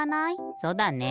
そうだね。